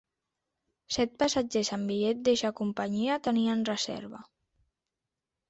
Set passatgers amb bitllet d'eixa companyia tenien reserva.